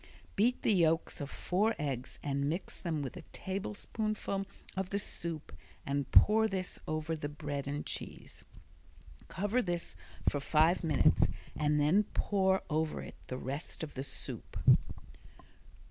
Beat the yolks of four eggs and mix them with a tablespoonful of the soup and pour this over the bread and cheese. Cover this for five minutes and then pour over it the rest of the soup.